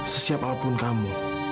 sesiapa pun kamu